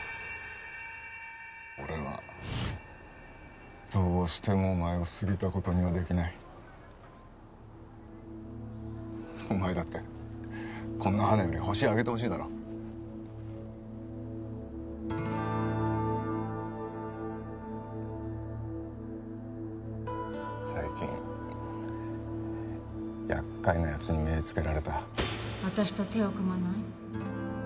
俺はどうしてもお前をすぎたことにはできないお前だってこんな花よりホシ挙げてほしいだろ最近やっかいなやつに目ぇつけられた私と手を組まない？